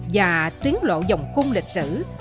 và tuyến lộ dòng cung lịch sử